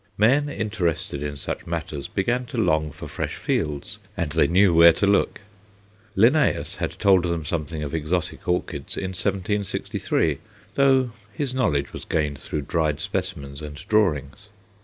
Men interested in such matters began to long for fresh fields, and they knew where to look. Linnæus had told them something of exotic orchids in 1763, though his knowledge was gained through dried specimens and drawings.